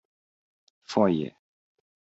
Foje.